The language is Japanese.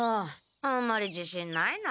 あんまりじしんないな。